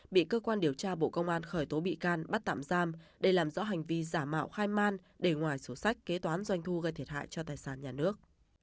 bị cơ quan điều tra bộ công an khởi tố bị can bắt tạm giam để làm rõ hành vi giả mạo khai man để ngoài sổ sách kế toán doanh thu gây thiệt hại cho tài sản nhà nước